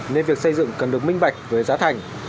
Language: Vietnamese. nên việc xây dựng cần được minh bạch với giá thành